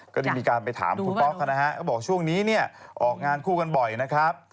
ก็ได้มีการไปถามคุณป๊อกนะฮะก็บอกช่วงนี้เนี่ยออกงานคู่กันบ่อยนะครับ